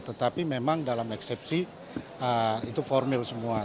tetapi memang dalam eksepsi itu formil semua